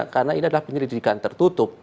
karena ini adalah penyelidikan tertutup